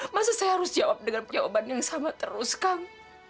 masa saya harus jawab dengan punya obat yang sama terus kang